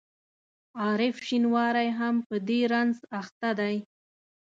عارف شینواری هم په دې رنځ اخته دی.